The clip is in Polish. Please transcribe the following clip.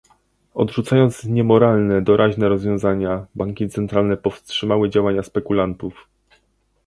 Odrzucając niemoralne doraźne rozwiązania, banki centralne powstrzymały działania spekulantów